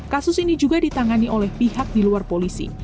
kasus ini juga ditangani oleh pihak di luar polisi